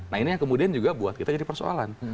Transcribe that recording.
nah ini yang kemudian juga buat kita jadi persoalan